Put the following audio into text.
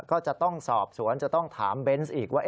ก็จะต้องสอบสวนจะต้องถามเบนส์อีกว่า